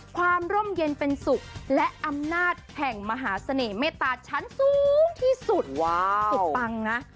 ความร่มเย็นเป็นสุขและอำนาจแห่งมหาเสน่หมเมตตาชั้นสูงที่สุดสุดปังนะ